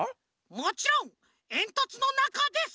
もちろんえんとつのなかです！